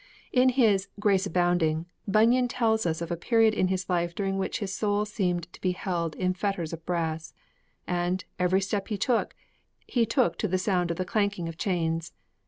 In his Grace Abounding, Bunyan tells us of a period in his life during which his soul seemed to be held in fetters of brass; and, every step he took, he took to the sound of the clanking of chains.